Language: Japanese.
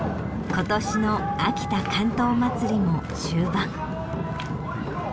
今年の秋田竿燈まつりも終盤。